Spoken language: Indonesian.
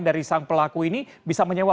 dari sang pelaku ini bisa menyewa